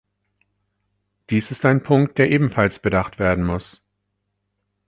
Dies ist ein Punkt, der ebenfalls bedacht werden muss.